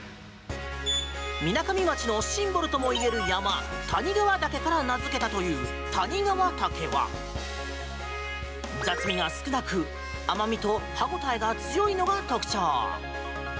みなかみ町のシンボルともいえる山谷川岳から名付けたという谷川茸は雑味が少なく甘味と歯応えが強いのが特徴。